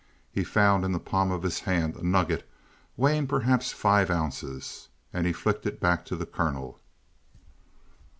He found in the palm of his hand a nugget weighing perhaps five ounces, and he flicked it back to the colonel.